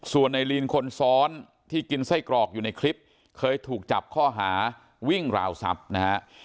ส่วนในลีนคนซ้อนที่กินไส้กรอกอยู่ในคลิปเคยถูกจับข้อหาวิ่งราวทรัพย์นะฮะ